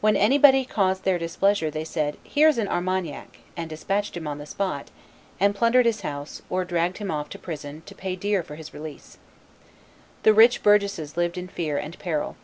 When anybody caused their displeasure they said, 'Here's an Armagnac,' and despatched him on the spot, and plundered his house, or dragged him off to prison to pay dear for his release. The rich burgesses lived in fear and peril.